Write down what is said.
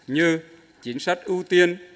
như chính sách ưu tiên